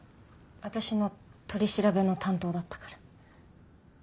私の取り調べの担当だったから。